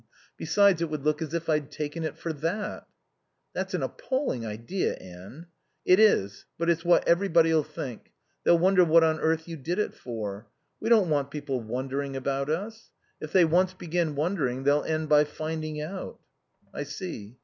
Besides, it would look as if I'd taken it for that." "That's an appalling idea, Anne." "It is. But it's what everybody'll think. They'll wonder what on earth you did it for. We don't want people wondering about us. If they once begin wondering they'll end by finding out." "I see.